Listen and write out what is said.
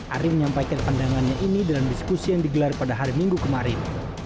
ari menyampaikan pandangannya ini dalam diskusi yang digelar pada hari minggu kemarin